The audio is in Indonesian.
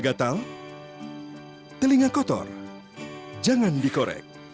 gatal telinga kotor jangan dikorek